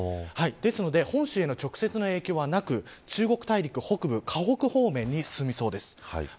ですので本州への直接の影響はなく中国大陸北部華北方面に進みそうです。